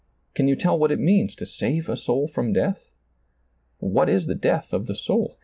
Can you tell what it means to save a soul from death ? What is the death of the soul